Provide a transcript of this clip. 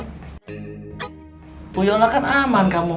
tuyolah kan aman kamu